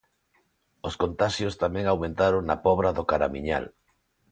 Os contaxios tamén aumentaron na Pobra do Caramiñal.